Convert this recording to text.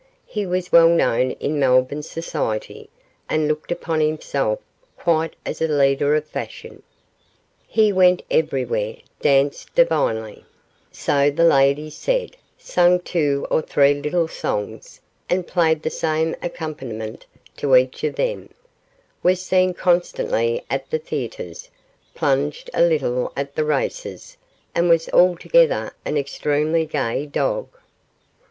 He was well known in Melbourne society, and looked upon himself quite as a leader of fashion. He went everywhere, danced divinely so the ladies said sang two or three little songs, and played the same accompaniment to each of them, was seen constantly at the theatres, plunged a little at the races, and was altogether an extremely gay dog.